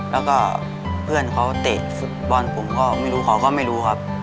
แล้วก็เพื่อนเขาเตะฟุตบอลผมก็ไม่รู้เขาก็ไม่รู้ครับ